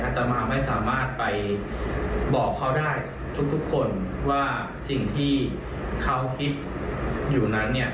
ต่อมาไม่สามารถไปบอกเขาได้ทุกคนว่าสิ่งที่เขาคิดอยู่นั้นเนี่ย